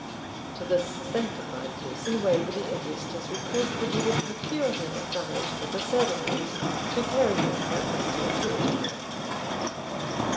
To this sanctified person Waverley addressed his request that he would procure him a guide, with a saddle horse, to carry his portmanteau to Edinburgh.